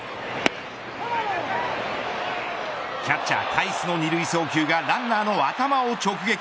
キャッチャータイスの２塁送球がランナーの頭を直撃。